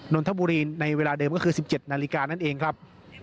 นนทบุรีในเวลาเดิมก็คือ๑๗นาฬิกานั่นเองครับ